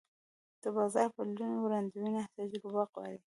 د بازار د بدلون وړاندوینه تجربه غواړي.